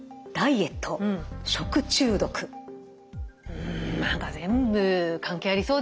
うん何か全部関係ありそうですけどね。